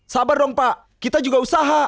sabar dong pak kita juga usaha